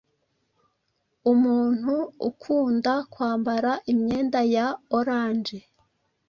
Umuntu ukunda kwambara imyenda ya orange